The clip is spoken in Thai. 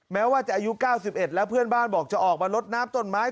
แม้ว่าจะอายุ๙๑แล้วเพื่อนบ้านบอกจะออกมาลดน้ำต้นไม้